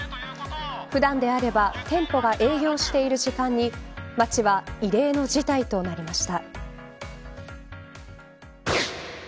普段であれば店舗が営業している時間に街は異例の事態となりました。